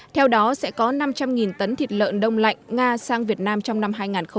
theo đó sẽ có năm trăm linh tấn thịt lợn đông lạnh nga sang việt nam trong năm hai nghìn hai mươi